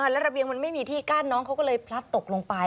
แล้วระเบียงมันไม่มีที่กั้นน้องเขาก็เลยพลัดตกลงไป